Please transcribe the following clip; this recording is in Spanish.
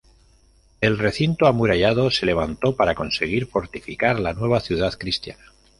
El recinto amurallado se levantó para conseguir fortificar la nueva ciudad cristiana.